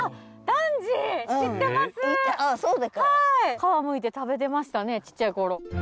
皮むいて食べてましたねちっちゃい頃。